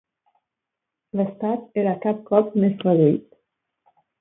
L'estat era cap cop més reduït.